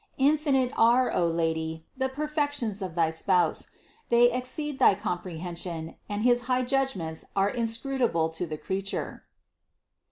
Infinite are, O Lady, the perfections of thy Spouse : they exceed thy comprehension and his high judgments are inscrutable to the creature."